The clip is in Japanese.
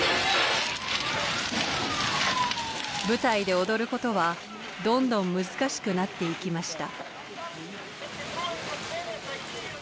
舞台で踊ることはどんどん難しくなっていきました。